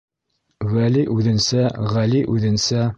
Вәли үҙенсә, Ғәли үҙенсә.